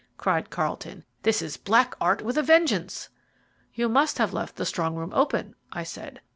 cried Carlton. "This is black art with a vengeance." "You must have left the strong room open," I said.